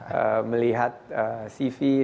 saya juga baru memulai melihat siapa yang menang ini